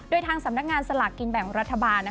โดยทางสำนักงานสลากกินแบ่งรัฐบาล